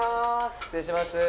失礼します